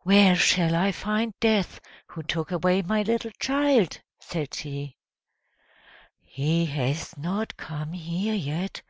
"Where shall I find Death, who took away my little child?" said she. "He has not come here yet!"